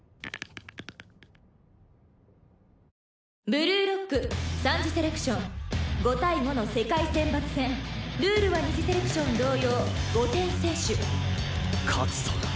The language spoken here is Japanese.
「ブルーロック三次セレクション」「５対５の世界選抜戦」「ルールは二次セレクション同様５点先取」勝つぞ。